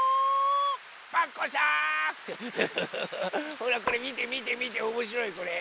ほらこれみてみてみておもしろいこれ。